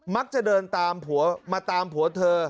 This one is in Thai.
มักจะเดินตามผัวมาตามผัวเธอ